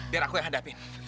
biar aku yang hadapin